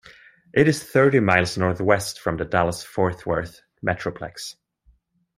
It is thirty miles northwest from the Dallas-Fort Worth metroplex.